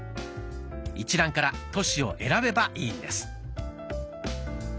一覧から都市を選べばいいんです。